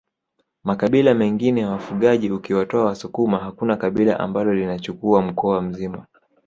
Makabila mengine ya wafugaji ukiwatoa wasukuma hakuna kabila ambalo linachukua mkoa mzima